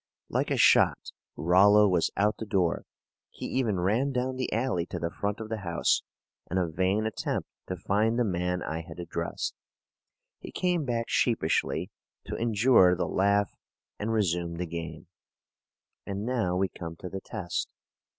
Like a shot, Rollo was out the door. He even ran down the alley to the front of the house in a vain attempt to find the man I had addressed. He came back sheepishly to endure the laugh and resume the game. And now we come to the test.